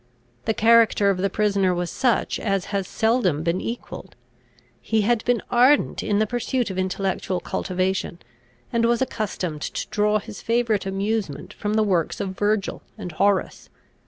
The character of the prisoner was such as has seldom been equalled. He had been ardent in the pursuit of intellectual cultivation, and was accustomed to draw his favourite amusement from the works of Virgil and Horace.